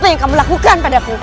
apa yang kamu lakukan pada aku